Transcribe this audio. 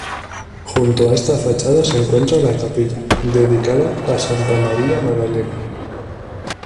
Junto a esta fachada se encuentra la capilla, dedicada a Santa María Magdalena.